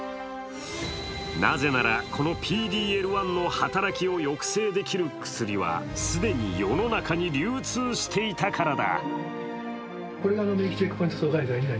なぜならこのＰＤ−Ｌ１の働きを抑制できる薬は既に世の中に流通していたからだ。